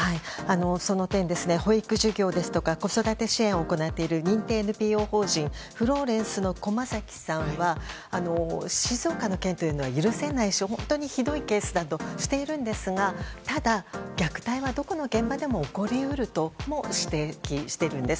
その件、保育事業ですとか子育て支援を行っている認定ＮＰＯ法人フローレンスの駒崎さんは静岡の件というのは許せないし本当にひどいケースだとしているんですがただ、虐待はどこの現場でも起こり得るとも指摘しているんです。